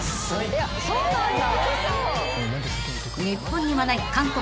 そうなんだ。